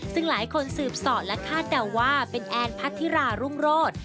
ซึ่งหลายคนสืบสอดและคาดเดาว่าเป็นแอนพัทธิรารุ่งโรธ